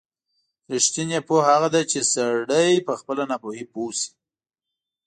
رښتینې پوهه هغه ده چې سړی په خپله ناپوهۍ پوه شي.